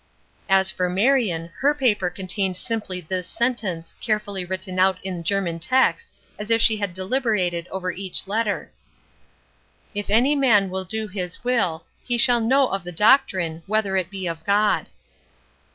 As for Marion her paper contained simply this sentence, carefully written out in German text as if she had deliberated over each letter; "If any man will do his will, he shall know of the doctrine, whether it be of God."